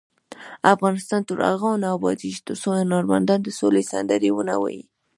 افغانستان تر هغو نه ابادیږي، ترڅو هنرمندان د سولې سندرې ونه وايي.